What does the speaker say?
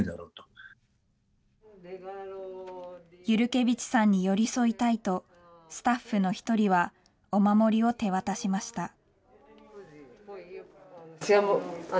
ユルケヴィチさんに寄り添いたいと、スタッフの１人はお守りを手渡しました。